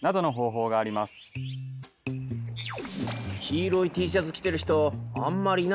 黄色いＴシャツ着てる人あんまりいないね。